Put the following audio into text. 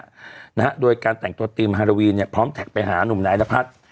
นะฮะโดยการแต่งตัวทีมฮาราวีนเนี่ยพร้อมแท็กไปหานุ่มนายนพัฒน์